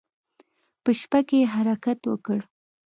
په شپه کې يې حرکت وکړ.